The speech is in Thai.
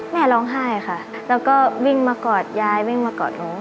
แม่ร้องไห้ค่ะแล้วก็วิ่งมากอดยายวิ่งมากอดหนู